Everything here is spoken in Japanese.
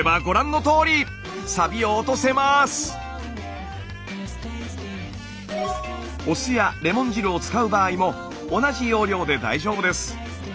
お酢やレモン汁を使う場合も同じ要領で大丈夫です。